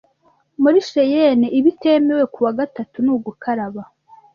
Muri Cheyenne ibitemewe kuwa gatatu ni ugukaraba